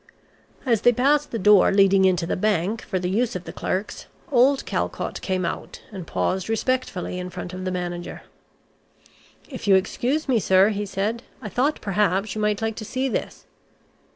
As they passed the door leading into the bank, for the use of the clerks, old Calcott came out, and paused respectfully in front of the manager. "If you excuse me, sir," he said, "I thought perhaps you might like to see this."